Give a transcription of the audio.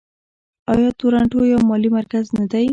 آیا تورنټو یو مالي مرکز نه دی؟